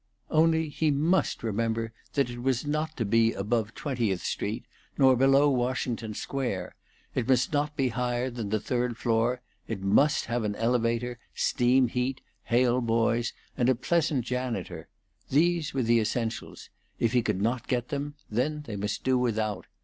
Only he must remember that it was not to be above Twentieth Street nor below Washington Square; it must not be higher than the third floor; it must have an elevator, steam heat, hail boys, and a pleasant janitor. These were essentials; if he could not get them, then they must do without.